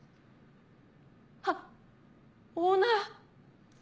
あっオーナー。